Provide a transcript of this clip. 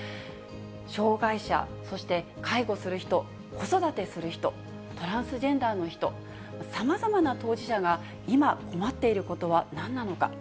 障がい者、そして介護する人、子育てする人、トランスジェンダーの人、さまざまな当事者が今、困っていることはなんなのか。